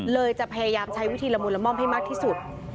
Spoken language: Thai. จะพยายามใช้วิธีละมุนละม่อมให้มากที่สุด